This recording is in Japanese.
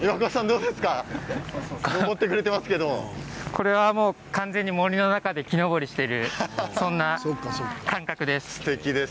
これはもう完全に森の中で木登りしているそんな感覚です。